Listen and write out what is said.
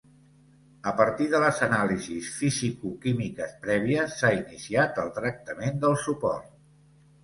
A partir de les anàlisis fisicoquímiques prèvies, s'ha iniciat el tractament del suport.